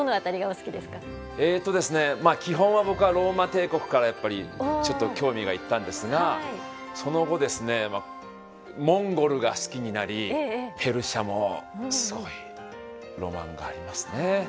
基本は僕はローマ帝国からやっぱりちょっと興味が行ったんですがその後ですねモンゴルが好きになりペルシャもすごいロマンがありますね。